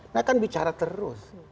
nah kan bicara terus